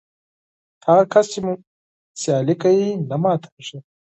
هغه کس چې مقابله کوي، نه ماتېږي.